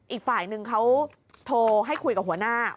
อีกฝ่ายนึงเขาโทรให้คุยกับหัวหน้า